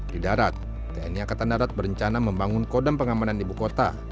di darat tni angkatan darat berencana membangun kodam pengamanan ibu kota